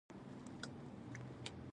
غیرتمند خپل ظلم هم نه پټوي